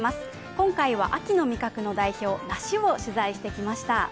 今回は秋の味覚の代表梨を取材してきました。